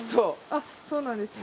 あっそうなんですね。